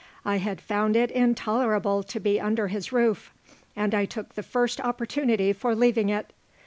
I had found it intolerable to be under his roof and I took the first opportunity for leaving it.